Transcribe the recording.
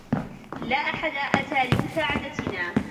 لا أحد أتى لمساعدتنا.